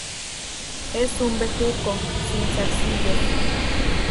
Es un bejuco, sin zarcillos.